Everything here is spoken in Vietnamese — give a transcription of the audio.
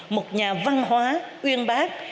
một nhà văn hóa uyên bác